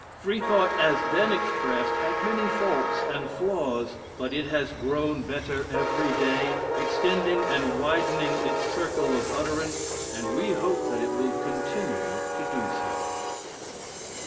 Freethought as then expressed had many faults and flaws, but it has grown better every day, extending and widening its circle of utterance, and we hope that it will continue to do so.